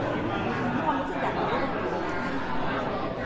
มีความรู้สึกอย่างนั้นกับหลานหรือเปล่า